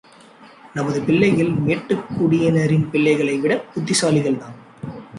நமது பிள்ளைகள் மேட்டுக் குடியினரின் பிள்ளைகளை விடப் புத்திசாலிகள் தான்!